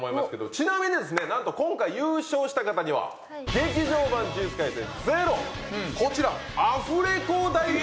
ちなみにですねなんと今回優勝した方には「劇場版呪術廻戦０」こちらアフレコ台本。